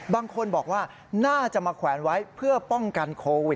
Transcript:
บางคนบอกว่าน่าจะมาแขวนไว้เพื่อป้องกันโควิด